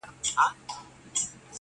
د هر چا آب پخپل لاس کي دئ.